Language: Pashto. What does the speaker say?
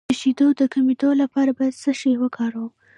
د شیدو د کمیدو لپاره باید څه شی وکاروم؟